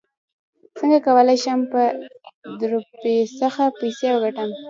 څنګه کولی شم په درپشخه پیسې وګټم